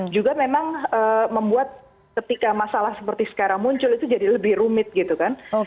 juga memang membuat ketika masalah seperti sekarang muncul itu jadi lebih rumit gitu kan